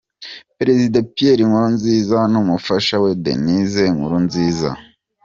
Perezida Pierre Nkurunziza n’umufasha we Denise Nkurunziza.